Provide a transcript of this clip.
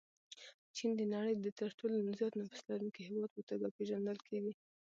چین د نړۍ د تر ټولو زیات نفوس لرونکي هېواد په توګه پېژندل کېږي.